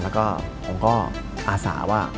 แล้วก็ผมก็อาสาว่า